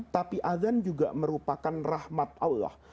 tapi azan juga merupakan rahmat allah